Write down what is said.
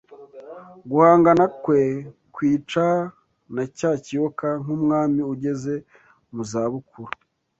guhangana kwe kwica na cya kiyoka nkumwami ugeze mu za bukuru